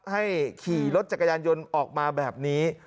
ให้ขี่รถจักรยานยนต์ออกมาแบบนี้